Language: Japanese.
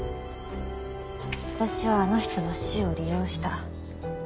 私はあの人の死を利用した。